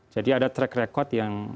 jadi ada track record yang